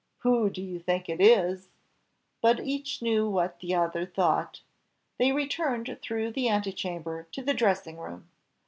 "Who do you think it is?" But each knew what the other thought. They returned through the ante chamber to the dressing room.